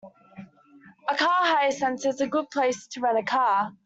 A car hire centre is a good place to rent a car